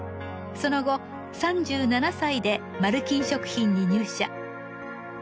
その後３７歳で丸金食品に入社。